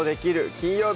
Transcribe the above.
金曜日」